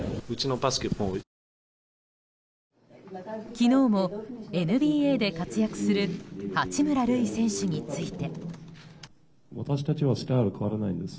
昨日も、ＮＢＡで活躍する八村塁選手について。